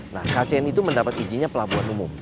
nah kcn itu mendapat izinnya pelabuhan umum